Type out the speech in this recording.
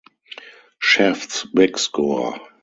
Shaft's Big Score!